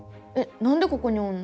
なんでここにおんの？